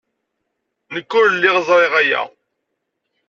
Nekk ur lliɣ ẓriɣ aya.